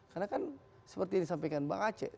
karena kan seperti yang disampaikan bang aceh